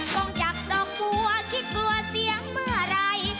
กล้องจักรกหัวคิดกลัวเสียงเมื่อไหร่